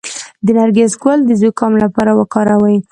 د نرګس ګل د زکام لپاره وکاروئ